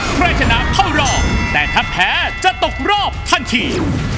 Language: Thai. เพื่อจันทร์เผ่ารอบแต่ถ้าแพ้จะตกรอบทันที